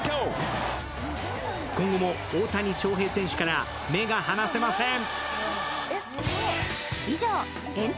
今後も大谷翔平選手から目が離せません。